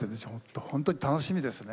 本当に楽しみですね。